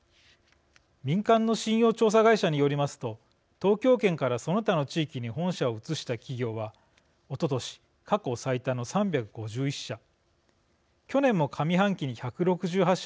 民間の信用調査会社によりますと東京圏からその他の地域に本社を移した企業はおととし、過去最多の３５１社。